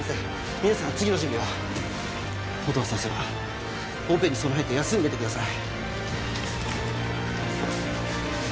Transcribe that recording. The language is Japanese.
皆さんは次の準備を音羽先生はオペに備えて休んでてください